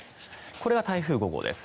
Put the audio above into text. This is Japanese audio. これは台風５号です。